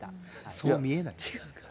そう見えない。